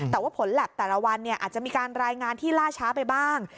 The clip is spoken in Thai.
แต่ว่าผลแล็บแต่ละวันอาจจะมีการรายงานที่ล่าช้าไปบ้าง